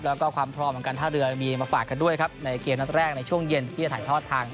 แล้วก็ความพร้อมของการท่าเรือมีมาฝากกันด้วยครับในเกมนัดแรกในช่วงเย็นที่จะถ่ายทอดทาง